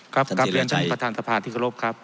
ครับกราบเรียนท่านประธานสะพานธิกระโลกครับ